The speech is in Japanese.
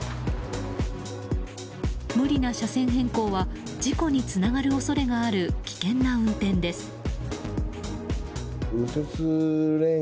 無理な車線変更は事故につながる恐れがある危険な運転です。